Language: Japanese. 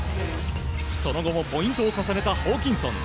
その後もポイントを重ねたホーキンソン。